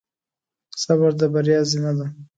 صبر د بریا زینه ده.